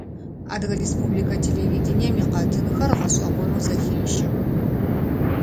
Адыгэ республикэ телевидением икъэтынхэр гъэшӀэгъонэу зэхещэх.